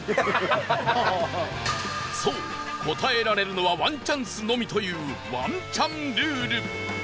そう、答えられるのはワンチャンスのみというワンチャンルール